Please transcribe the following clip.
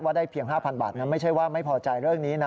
ได้เพียง๕๐๐บาทนั้นไม่ใช่ว่าไม่พอใจเรื่องนี้นะ